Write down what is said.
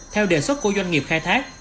theo đề xuất của doanh nghiệp khai thác